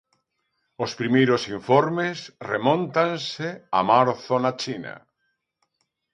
Os primeiros informes remóntanse a marzo na China.